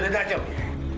biarin aja bi